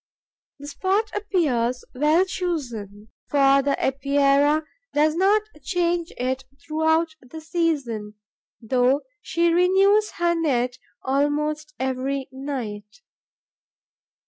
The spot appears well chosen, for the Epeira does not change it throughout the season, though she renews her net almost every night.